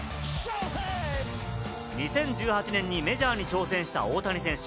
２０１８年にメジャーに挑戦した大谷選手。